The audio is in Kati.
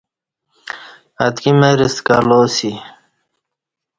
اتکی مر ستہ کلا اسی